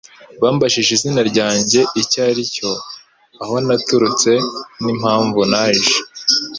Bambajije izina ryanjye icyo ari cyo, aho naturutse, n'impamvu naje.